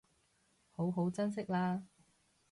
好好珍惜喇